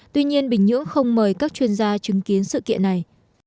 tuy nhiên bình nhưỡng không mời các chuyên gia chứng kiến sự kiện này